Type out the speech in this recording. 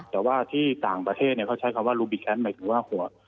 แต่ว่าที่ต่างประเทศเขาใช้คำว่าลูบิแค้นหมายถึงว่าหัว